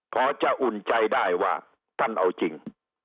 พอจะอุ่นใจได้ว่าท่านเอาจริง